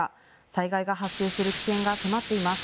災害が発生する危険が迫っています。